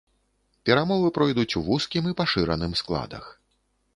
Перамовы пройдуць у вузкім і пашыраным складах.